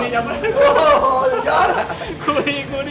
โหโหสุดยอด